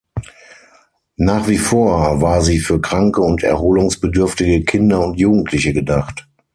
Nach wie vor war sie für kranke und erholungsbedürftige Kinder und Jugendliche gedacht.